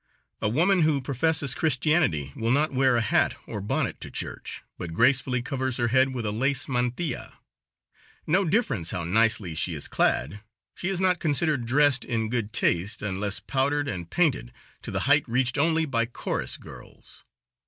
A woman who professes Christianity will not wear a hat or bonnet to church, but gracefully covers her head with a lace mantilla. No difference how nicely she is clad, she is not considered dressed in good taste unless powdered and painted, to the height reached only by chorus girls.